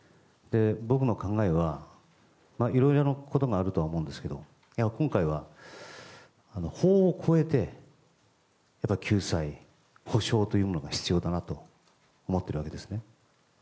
僕の考えは、いろいろなことがあるとは思うんですが今回は法を超えて救済・補償というものが必要だと思っているわけですね。